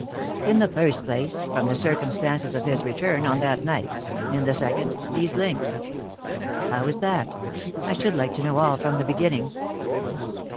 "In the first place, from the circumstances of his return on that night; in the second, these links." "How is that? I should like to know all from the beginning."